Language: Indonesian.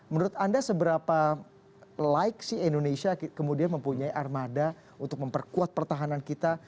menurut anda seberapa like sih indonesia kemudian mempunyai armada untuk memperkuat pertahanan kita